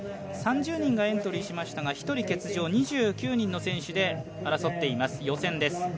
３０人がエントリーしましたが１人欠場２９人の選手で争っています予選です。